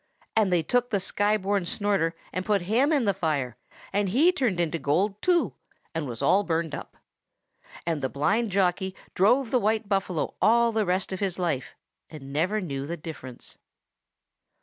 And they took the Sky born Snorter and put him in the fire, and he turned into gold too, and was all burned up. And the blind jockey drove the white buffalo all the rest of his life, and never knew the difference.